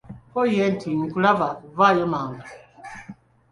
Ko ye nti, "Nkulaba, vaayo mangu"